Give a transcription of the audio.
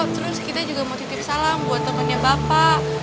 terus kita juga mau titip salam buat temennya bapak